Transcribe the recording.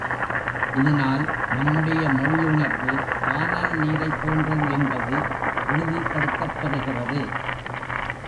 இதனால், நம்முடைய மொழி உணர்வு கானல் நீரைப் போன்றது என்பது உறுதிப்படுத்தப்பெறுகிறது.